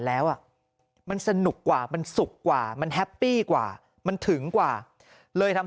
แล้วอ่ะมันสนุกกว่ามันสุกกว่ามันแฮปปี้กว่ามันถึงกว่าเลยทำ